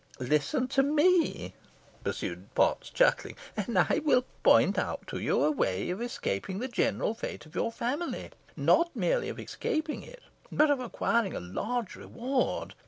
"Listen to me," pursued Potts, chuckling, "and I will point out to you a way of escaping the general fate of your family not merely of escaping it but of acquiring a large reward.